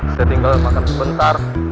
saya tinggal makan sebentar